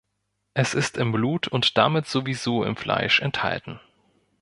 Es ist im Blut und damit sowieso im Fleisch enthalten.